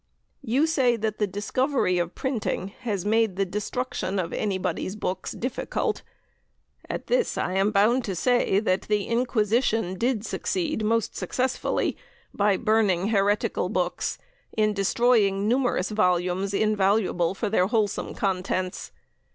You say that the discovery of printing has made the destruction of anybody's books difficult. At this I am bound to say that the Inquisition did succeed most successfully, by burning heretical books, in destroying numerous volumes invaluable for their wholesome contents.